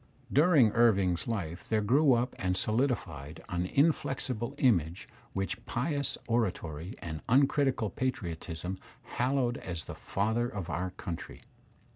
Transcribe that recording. During Irving's life there grew up and solidified an inflexible image which pious oratory and uncritical patriotism hallowed as the father of our country.